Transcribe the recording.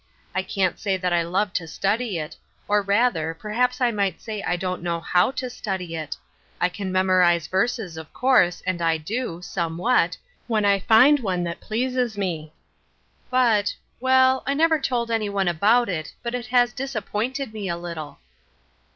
I can't say that I love to study it ; or, rather, per haps I might say I don't know how to study it. I can memorize verses, of course, and I do, Looking for an JEasy Yoke, 203 somewhat, wlien I find one that pleases me ; but — well, I never told anyone about it, but it has disappointed me a little."